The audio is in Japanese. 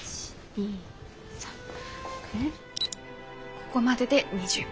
ここまでで２０秒。